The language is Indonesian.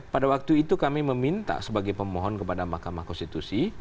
pada waktu itu kami meminta sebagai pemohon kepada mahkamah konstitusi